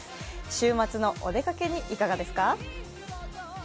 週末のお出かけにいかがですか？